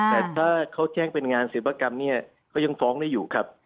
แต่ถ้าเขาแจ้งเป็นงานศิลปกรรมเนี่ยเขายังฟ้องได้อยู่ครับ